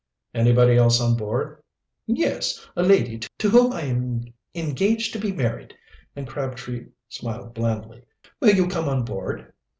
"Anybody else on board?" "Yes, a lady to whom I am engaged to be married," and Crabtree smiled blandly. "Will you come on board?"